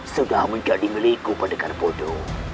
sudah menjadi meliku pada karpodo